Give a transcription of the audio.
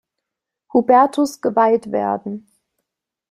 Hubertus geweiht werden.